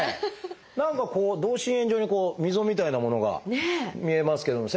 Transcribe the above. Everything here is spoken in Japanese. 何かこう同心円状に溝みたいなものが見えますけども先生。